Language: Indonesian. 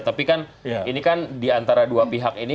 tapi kan ini kan diantara dua pihak ini